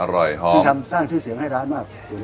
อร่อยหอมสร้างชื่อเสียงให้ร้านมาก